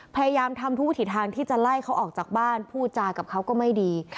พยายามทำทุกวิถีทางที่จะไล่เขาออกจากบ้านพูดจากับเขาก็ไม่ดี